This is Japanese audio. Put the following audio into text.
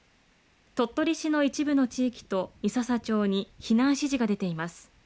鳥取市の一部の地域と三朝町に避難指示が出ています。